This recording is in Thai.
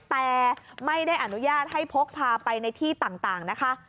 แต่ไม่ได้อนุญาตให้พกพาไปในที่ต่างนะคะ